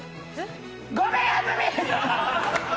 ごめん安住！